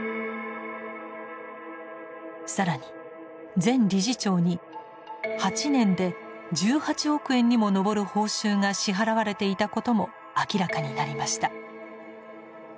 更に前理事長に８年で１８億円にも上る報酬が支払われていたことも明らかになりました。